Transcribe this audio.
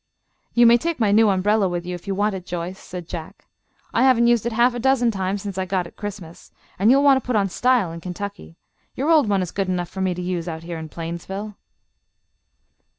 "You may take my new umbrella with you, if you want it, Joyce," said Jack. "I haven't used it half a dozen times since I got it Christmas, and you will want to put on style in Kentucky. Your old one is good enough for me to use out here in Plainsville."